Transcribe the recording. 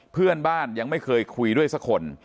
เพื่อนบ้านยังไม่เคยคุยด้วยสักคน